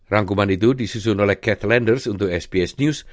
rangkuman itu disusun oleh kath lenders untuk sbs news